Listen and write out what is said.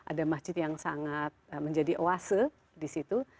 ada masjid yang sangat menjadi oase disitu